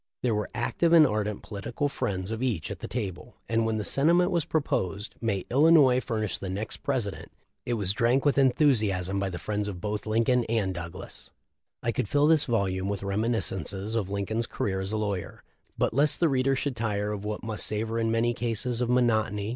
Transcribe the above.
There were active and ardent political friends of each at the table, and when the sentiment was proposed, 'May Illinois furnish the next President,' it was drank with enthusiasm by the friends of both Lin coln and Douglas. "f I could fill this volume with reminiscences of Lin coln's career as a lawyer, but lest the reader should tire of what must savor in many cases of monotony * From statement, Nov. 24, 1865. t Arnold's "Lincoln," p. 90. .360 THE LIFE 0F LINCOLN.